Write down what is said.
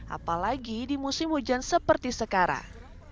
apalagi di musim hujan seperti sekarang